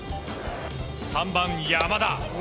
３番、山田。